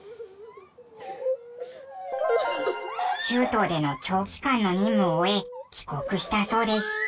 中東での長期間の任務を終え帰国したそうです。